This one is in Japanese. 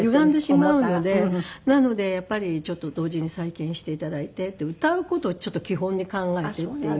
なのでやっぱりちょっと同時に再建して頂いて歌う事を基本に考えてっていう。